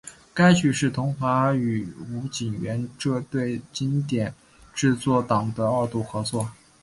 该剧是桐华与吴锦源这对经典制作档的二度合作。